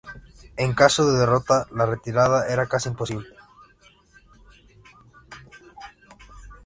En caso de derrota, la retirada era casi imposible.